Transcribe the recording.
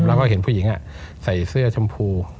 แล้วก็เห็นผู้หญิงใส่เสื้อชมพู